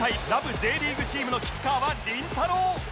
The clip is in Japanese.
Ｊ リーグチームのキッカーはりんたろー。